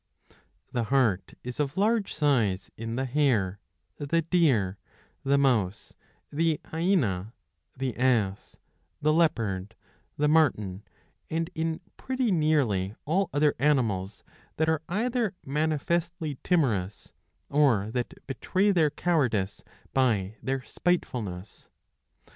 667 a. 111. 4—111. 5. 71 The heart is of large size^'^ in the hare, the deer, the mouse, the hyaena, the ass, the leopard, the marten, and in pretty nearly all other animals that are either manifestly timorous, or that betray their cowardice by their spitefulness.